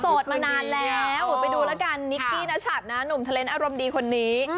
มานานแล้วไปดูแล้วกันนิกกี้นัชัดนะหนุ่มเทลนดอารมณ์ดีคนนี้